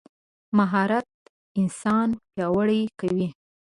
مهارت انسان پیاوړی کوي.